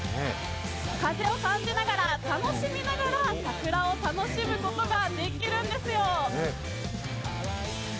風を感じながら、楽しみながら、桜を楽しむことができるんですよ。